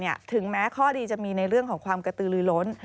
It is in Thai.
ถึงแม้ข้อดีจะมีในเรื่องของความกระตือลือล้น